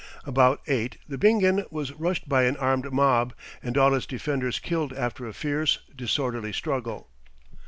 About eight the Bingen was rushed by an armed mob, and all its defenders killed after a fierce, disorderly struggle.